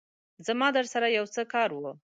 زما درسره يو څه کار وو